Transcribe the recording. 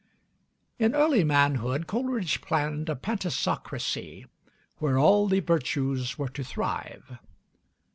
In early manhood Coleridge planned a Pantisocracy where all the virtues were to thrive.